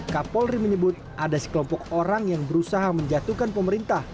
kapolri menyebut ada sekelompok orang yang berusaha menjatuhkan pemerintah